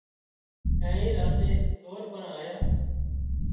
اينڻي راچي سور پڻ آيا